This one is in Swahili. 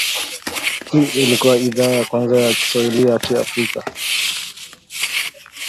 Hii ilikua idhaa ya kwanza ya lugha ya Kiafrika